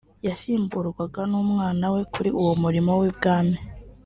yasimburwaga n’umwana we kuri uwo murimo w’ibwami